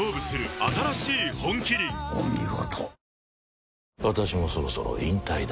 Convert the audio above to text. お見事。